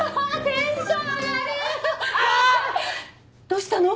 どうしたの？